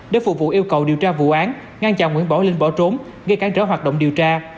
để phục vụ yêu cầu điều tra vụ án ngăn chặn nguyễn bảo linh bỏ trốn gây cản trở hoạt động điều tra